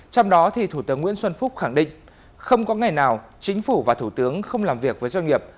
trong đó thủ tướng nguyễn xuân phúc khẳng định không có ngày nào chính phủ và thủ tướng không làm việc với doanh nghiệp